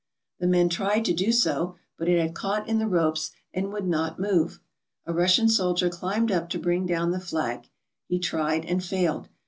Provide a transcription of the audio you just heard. Thfe men tried to do so, but it had caught in the ropes and would not move. A Russian soldier climbed up to bring down the flag. He tried and failed.